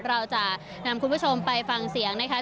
เราจะนำคุณผู้ชมไปฟังเสียงนะคะ